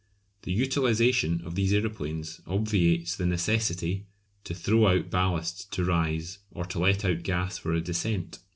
The utilisation of these aeroplanes obviates the necessity to throw out ballast to rise, or to let out gas for a descent.